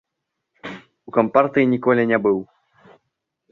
У кампартыі ніколі не быў.